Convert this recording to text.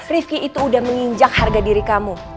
rifki itu udah menginjak harga diri kamu